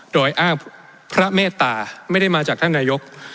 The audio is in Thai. โดยอ้างพระเมตตาไม่ได้มาจากท่านนายก